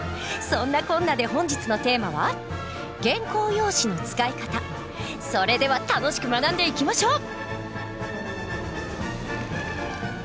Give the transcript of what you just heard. そんなこんなで本日のテーマはそれでは楽しく学んでいきましょう。